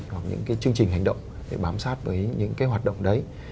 hoặc những cái chương trình hành động để bám sát với những cái hoạt động đấy